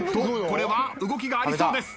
これは動きがありそうです。